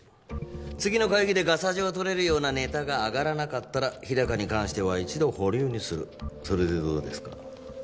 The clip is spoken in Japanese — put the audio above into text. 次の会議でガサ状とれるようなネタがあがらなかったら日高に関しては一度保留にするそれでどうですか？